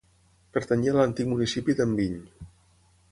Pertanyia a l'antic municipi d'Enviny.